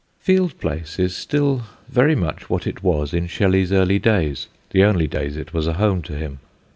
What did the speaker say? Field Place is still very much what it was in Shelley's early days the only days it was a home to him.